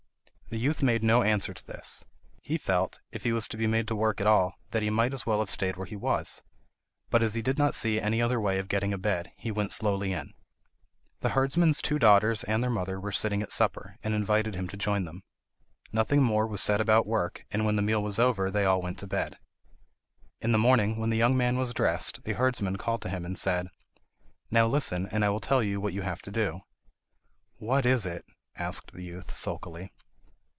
The youth made no answer to this. He felt, if he was to be made to work after all, that he might as well have stayed where he was. But as he did not see any other way of getting a bed, he went slowly in. The herdsman's two daughters and their mother were sitting at supper, and invited him to join them. Nothing more was said about work, and when the meal was over they all went to bed. In the morning, when the young man was dressed, the herdsman called to him and said: "Now listen, and I will tell you what you have to do." "What is it?" asked the youth, sulkily.